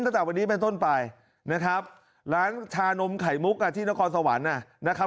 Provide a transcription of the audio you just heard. ตั้งแต่วันนี้เป็นต้นไปนะครับร้านชานมไข่มุกอ่ะที่นครสวรรค์นะครับ